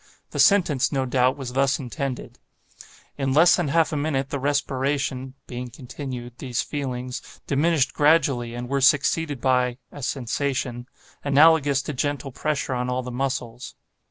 The sentence, no doubt, was thus intended: 'In less than half a minute, the respiration [being continued, these feelings] diminished gradually, and were succeeded by [a sensation] analogous to gentle pressure on all the muscles.